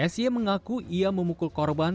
s y mengaku ia memukul korban